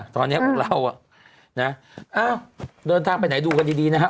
ตอนนี้พวกเรานะเอ้าเดินทางไปไหนดูกันดีนะฮะ